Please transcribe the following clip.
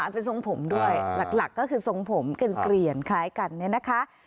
เป็นส่งผมด้วยหลักก็คือส่งผมเกลี่ยนคล้ายกันนะคะ